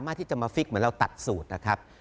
ที่จะมาฟิกเหมือนเราตัดสูตรนะครับ